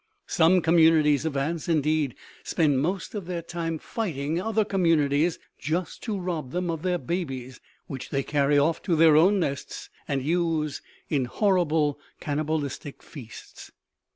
Some communities of ants, indeed, spend most of their time fighting other communities just to rob them of their babies, which they carry off to their own nests and use in horrible cannibalistic feasts.